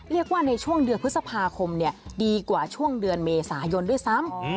เรียกว่าในช่วงเดือนพฤษภาคมดีกว่าช่วงเดือนเมษายนด้วยซ้ำ